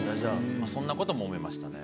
そんなことも思いましたね。